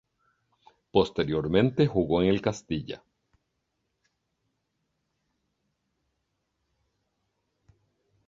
Posteriormente jugó en el Castilla.